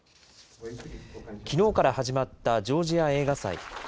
きのうから始まったジョージア映画祭。